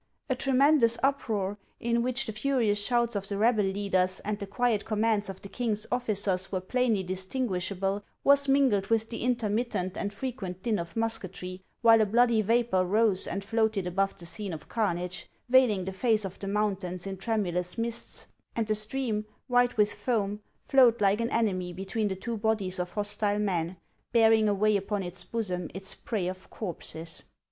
A tremendous uproar, in which the furious shouts of the rebel leaders and the quiet commands of the king's officers were plainly 396 HANS OF ICELAND. distinguishable, was mingled with the intermittent and frequent din of musketry, while a bloody vapor rose and floated above the scene of carnage, veiling the face of the mountains in tremulous mists ; and the stream, white with foam, flowed like an enemy between the two bodies of hostile men, bearing away upon its bosom its prey of corpses.